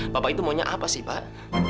bapak itu maunya apa sih pak